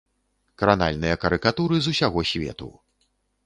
Кранальныя карыкатуры з усяго свету.